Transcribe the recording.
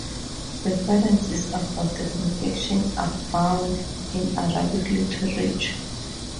References about the confection abound in Arabic literature.